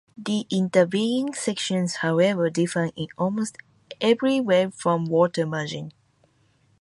The intervening sections, however, differ in almost every way from "Water Margin".